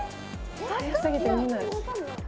速すぎて見えない。